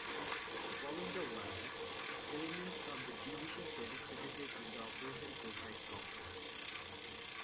Following the war, elements of the Division participated in Operation Provide Comfort.